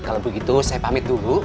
kalau begitu saya pamit tubuh